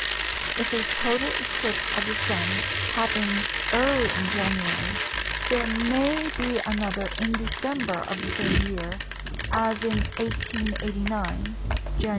If a total eclipse of the Sun happens early in January there may be another in December of the same year, as in 1889 (Jan.